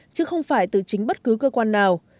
chứ không phải từ chính bất cứ cơ quan nào